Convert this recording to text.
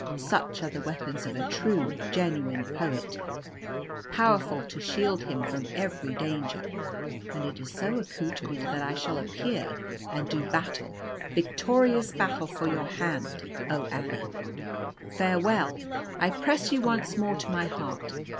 Such are the weapons of a true, genuine poet, powerful to shield him from every danger. And it is so accoutred that I shall appear, and do battle victorious battle for your hand, oh, Anna! "Farewell. I press you once more to my heart.